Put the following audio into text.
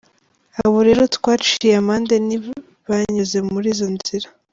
Abo rero twaciye amande ntibanyuze muri izo nzira.